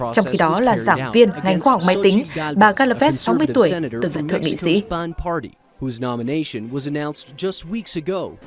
trong khi đó là giảng viên ngành khoa học máy tính bà gallvez sáu mươi tuổi từng là thượng nghị sĩ